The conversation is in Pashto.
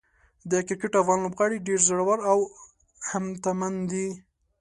د کرکټ افغان لوبغاړي ډېر زړور او همتمن دي.